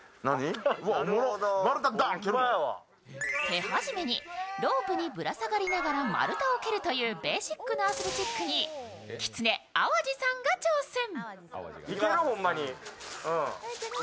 手始めにロープをぶら下がりながら丸太を蹴るというベーシックなアスレチックにきつね・淡路さんが挑戦。